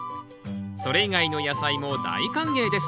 それ以外の野菜も大歓迎です。